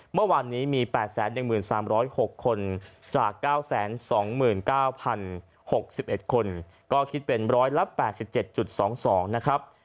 เมื่อวานนี้มี๘๑๓๐๖คนจาก๙๒๙๐๖๑คนก็คิดเป็นร้อยละ๘๗๒๒นะครับ